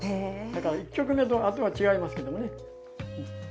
だから１曲目とあとは違いますけどね。